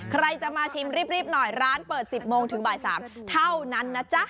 ใครจะมาชิมรีบหน่อยร้านเปิด๑๐โมงถึงบ่าย๓เท่านั้นนะจ๊ะ